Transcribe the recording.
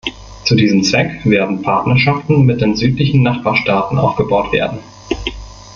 Zu diesem Zweck werden Partnerschaften mit den südlichen Nachbarstaaten aufgebaut werden.